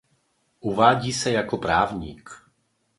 Uvádí se jako právník.